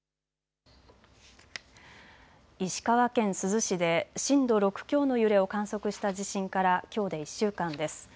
石川県珠洲市で震度６強の揺れを観測した地震からきょうで１週間です。